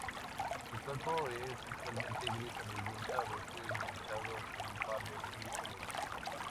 Su cuerpo es usualmente gris amarillento, a veces manchado con pardo rojizo leve.